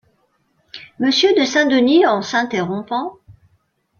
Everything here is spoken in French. monsieur de Saint-Denis en s’interrompant.